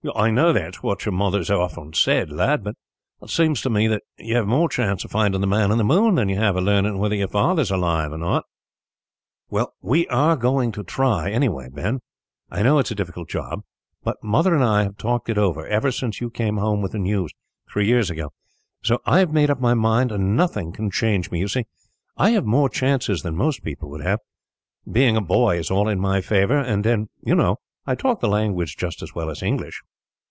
"I know that is what your mother has often said, lad, but it seems to me that you have more chance of finding the man in the moon than you have of learning whether your father is alive, or not." "Well, we are going to try, anyhow, Ben. I know it's a difficult job, but Mother and I have talked it over, ever since you came home with the news, three years ago; so I have made up my mind, and nothing can change me. You see, I have more chances than most people would have. Being a boy is all in my favour; and then, you know, I talk the language just as well as English."